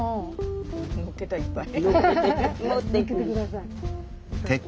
のっけたいっぱい。